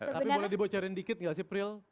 tapi boleh dibocorin dikit gak sih prill